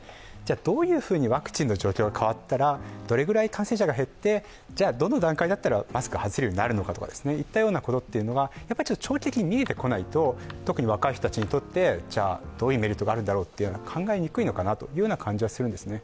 どういうふうにワクチンの状況が変わったらどれくらい感染者が減ってどの段階だったらマスクを外せるようになるのかといったようなことが長期的に見えてこないと、特に若い人たちにとってどういうメリットがあるんだろうって考えにくいんじゃないかなと思いますね。